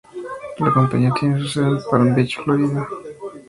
La compañía tiene su sede en Palm Beach, Florida.